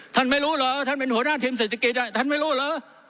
ไม่รู้เหรอว่าท่านเป็นหัวหน้าทีมเศรษฐกิจท่านไม่รู้เหรอ